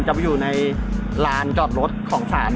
จะไปอยู่ในร้านกรอบรถของสาร